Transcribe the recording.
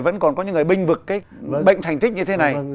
vẫn còn có những người bênh vực cái bệnh thành thích như thế này